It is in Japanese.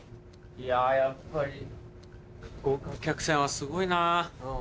いややっぱり豪華客船はすごいな。